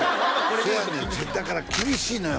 そうやねんだから厳しいのよ